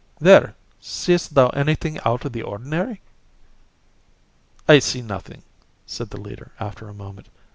"There seest thou anything out of the ordinary?" "I see nothing," said the leader, after a moment.